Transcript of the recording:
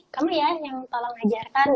kamu ya yang tolong ajarkan